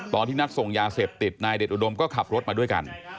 ตอนที่นัดส่งยาเสพติดนายเด็ดอุดมก็ขับรถมาด้วยกัน